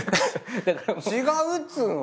違うっつうの！